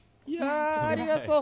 ありがとう！